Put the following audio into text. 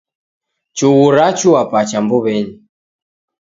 Chughu rachua pacha mbuw'enyi